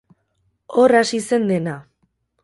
Hor hasi zen dena.